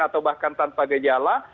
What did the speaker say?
atau bahkan tanpa gejala